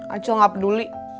acil gak peduli